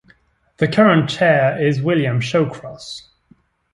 The current Chair is William Shawcross.